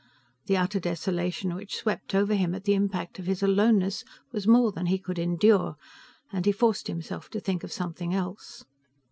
The utter desolation which swept over him at the impact of his aloneness was more than he could endure, and he forced himself to think of something else.